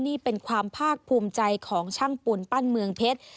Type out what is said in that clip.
นี่เป็นความภาคภูมิใจของช่างปุ่นปั้นเมืองเพชร